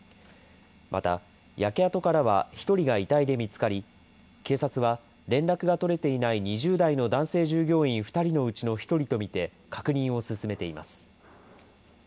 また、焼け跡からは１人が遺体で見つかり、警察は連絡が取れていない２０代の男性従業員２人のうちの１人と見て、確認を進めています。